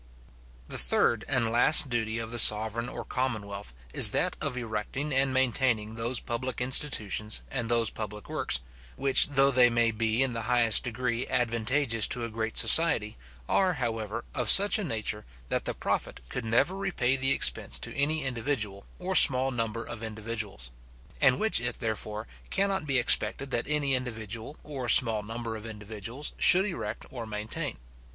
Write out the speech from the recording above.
The third and last duty of the sovereign or commonwealth, is that of erecting and maintaining those public institutions and those public works, which though they may be in the highest degree advantageous to a great society, are, however, of such a nature, that the profit could never repay the expense to any individual, or small number of individuals; and which it, therefore, cannot be expected that any individual, or small number of individuals, should erect or maintain.